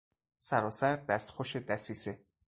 سراسر دستخوش دسیسه